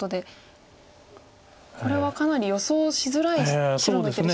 これはかなり予想しづらい白の一手でしたよね。